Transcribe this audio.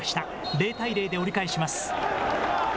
０対０で折り返します。